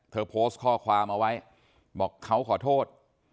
โพสต์ข้อความเอาไว้บอกเขาขอโทษ